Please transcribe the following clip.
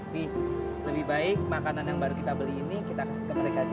lebih lebih baik makanan yang baru kita beli ini kita kasih ke mereka juga